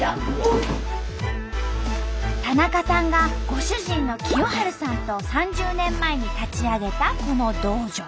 田中さんがご主人の清春さんと３０年前に立ち上げたこの道場。